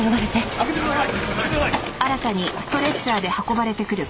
開けてください！